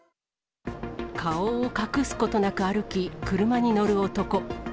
顔を隠すことなく歩き、車に乗る男。